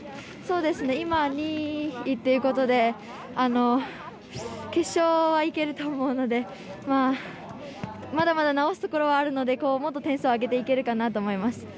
今２位ということで決勝はいけると思うのでまだまだ直すところはあるのでもっと点数を上げていけるかなと思います。